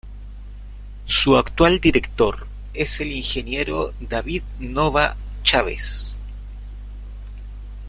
Su actual Director es el Ingeniero David Nova Chávez